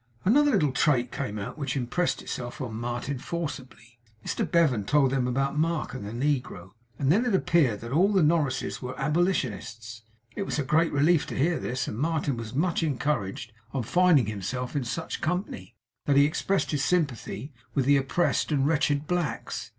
Another little trait came out, which impressed itself on Martin forcibly. Mr Bevan told them about Mark and the negro, and then it appeared that all the Norrises were abolitionists. It was a great relief to hear this, and Martin was so much encouraged on finding himself in such company, that he expressed his sympathy with the oppressed and wretched blacks.